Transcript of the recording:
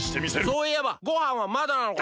そういえばごはんはまだなのか？